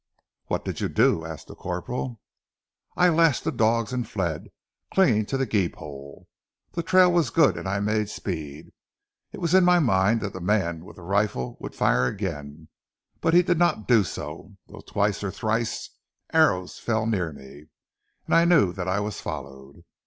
"What did you do?" asked the corporal. "I lashed the dogs and fled, clinging to the gee pole. The trail was good and I made speed. It was in my mind that the man with the rifle would fire again, but he did not do so, though twice or thrice arrows fell near me, and I knew that I was followed.